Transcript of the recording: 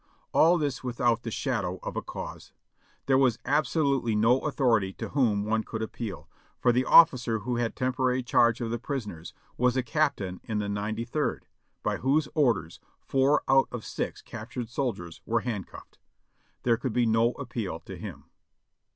All this without the shadow of a cause. There was absolutely no authority to whom one could appeal, for the officer who had temporary charge of the prisoners was a captain in the Ninety third, by whose orders four out of six captured soldiers were handcuffed. There could be no appeal to him.